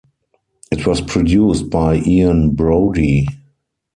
It was produced by Ian Broudie.